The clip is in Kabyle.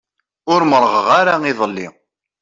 Ur merrɣeɣ ara iḍelli.